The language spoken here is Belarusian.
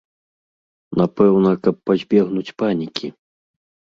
Напэўна, каб пазбегнуць панікі.